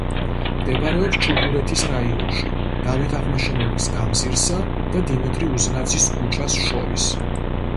მდებარეობს ჩუღურეთის რაიონში, დავით აღმაშენებლის გამზირსა და დიმიტრი უზნაძის ქუჩას შორის.